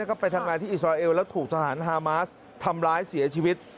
ก็ไปทำงานที่อิสราเอลแล้วถูกทหารฮามาสทำร้ายเสียชีวิต